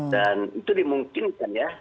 dan itu dimungkinkan ya